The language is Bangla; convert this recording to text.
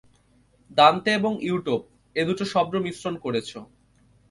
দান্তে এবং ইউটোপ--- এদুটো শব্দ মিশ্রন করেছ।